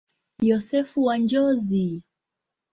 Yosefu wa Njozi.